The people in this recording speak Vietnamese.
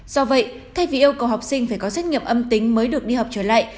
do vậy thay vì yêu cầu học sinh phải có xét nghiệm âm tính mới được đi học trở lại